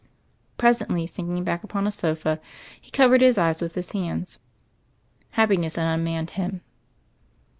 Presently, sinking back upon a sofa, he cov ered his eyes with his hands. Happiness had unmanned him.